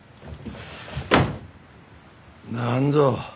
何ぞ？